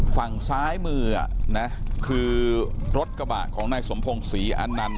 ฝั่งซ้ายมือคือรถกระบะของนายสมพงศรีอนันต์